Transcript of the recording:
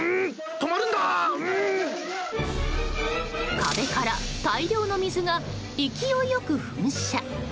壁から大量の水が勢いよく噴射。